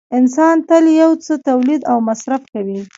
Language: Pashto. انسان تل یو څه تولید او مصرف کوي